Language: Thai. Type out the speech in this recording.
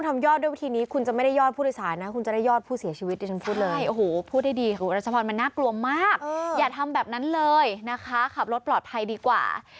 มากอย่าทำแบบนั้นเลยนะคะขับรถปลอดภัยดีกว่า